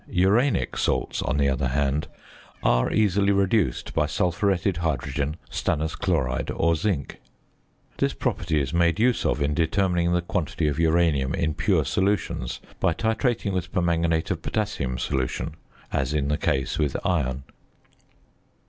Uranic salts, on the other hand, are easily reduced by sulphuretted hydrogen, stannous chloride or zinc. This property is made use of in determining the quantity of uranium in pure solutions by titrating with permanganate of potassium solution as in the case with iron.